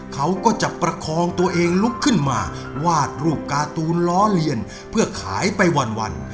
เขาก็จะประคองตัวเองลุกขึ้นมาวาดรูปการ์ตูนล้อเลียนเพื่อขายไปวัน